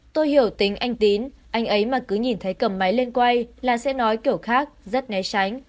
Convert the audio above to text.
tôi hiểu tính anh tín anh ấy mà cứ nhìn thấy cầm máy lên quay là sẽ nói kiểu khác rất né tránh